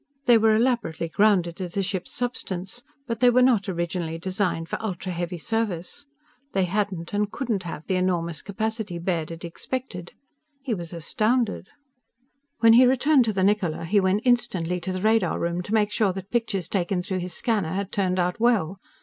They were elaborately grounded to the ship's substance. But they were not originally designed for ultra heavy service. They hadn't and couldn't have the enormous capacity Baird had expected. He was astounded. When he returned to the Niccola, he went instantly to the radar room to make sure that pictures taken through his scanner had turned out well.